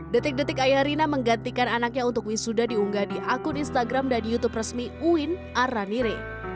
detik detik ayah rina menggantikan anaknya untuk wisuda diunggah di akun instagram dan youtube resmi uin ar ranire